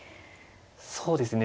そうですね